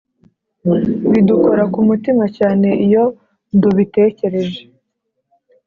bidukora ku mutima cyane iyo dubitekereje